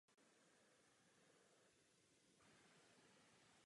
Avšak právě tento druh ochrany je teď nejvíce potřeba.